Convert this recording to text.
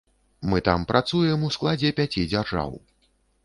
Мы там працуем у складзе пяці дзяржаў.